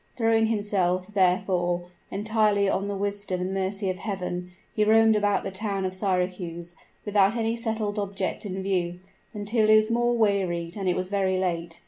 Throwing himself, therefore, entirely on the wisdom and mercy of Heaven, he roamed about the town of Syracuse, without any settled object in view, until he was much wearied and it was very late.